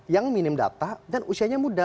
yang minim data dan usianya muda